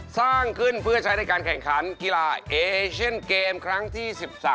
สร้างขึ้นเพื่อใช้ในการแข่งขันกีฬาเอเชียนเกมครั้งที่๑๓